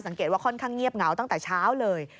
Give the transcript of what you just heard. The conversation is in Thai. ว่าค่อนข้างเงียบเหงาตั้งแต่เช้าเลย